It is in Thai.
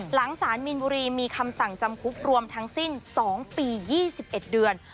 หลังสารมีนบุรีมีคำสั่งจำคุกรวมทั้งสิ้น๒ปี๒๑เดือน